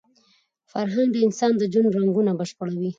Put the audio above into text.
فرهنګ د انسان د ژوند رنګونه بشپړوي.